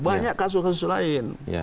banyak kasus kasus lain